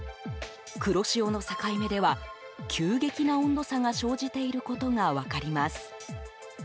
黒潮の境目では急激な温度差が生じていることが分かります。